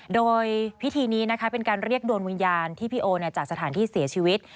โดยพิธีนี้นะคะเป็นการเรียกดวงวิญญาณที่พี่โอจากสถานที่เสียชีวิต